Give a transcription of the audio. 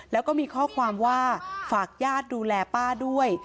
แล้วก็มีข้อความว่าฝากญาติดูแลป้าด้วย